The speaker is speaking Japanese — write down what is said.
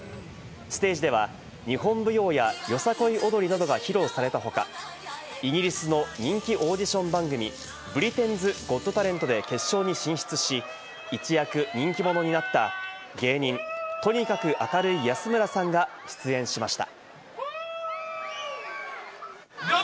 ステージでは日本舞踊や、よさこい踊りなどが披露された他、イギリスの人気オーディション番組『ブリテンズ・ゴット・タレント』で決勝に進出し、一躍人気者になった芸人・とにかく明るい安村さんが出演しました。